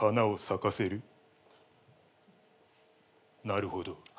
なるほど。